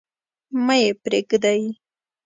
مه يې پريږدﺉ.